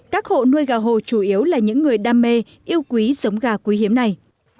các hộ nuôi gà hồ chủ yếu là những người đam mê yêu quý giống gà quý hiếm này